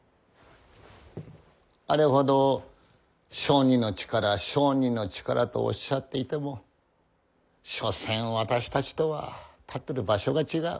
あれほど「商人の力商人の力」とおっしゃっていても所詮私たちとは立ってる場所が違う。